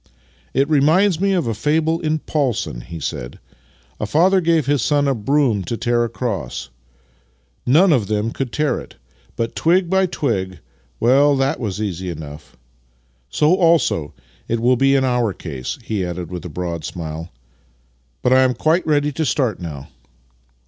" It reminds me of a fable in Paulson," he said. " A father gave his son a broom to tear across. None of them could tear it: but, twig by twig — well, that was easy enough. So also it will be in our case," he added with a broad smile. " But I am quite ready to start now."